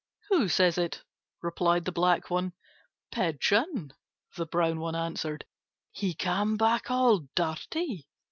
"Who says it?" replied the black one. "Pigeon," the brown one answered. "He came back all dirty.